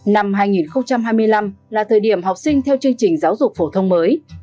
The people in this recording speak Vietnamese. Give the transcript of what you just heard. năm hai nghìn hai mươi năm là thời điểm học sinh theo chương trình giáo dục phổ thông mới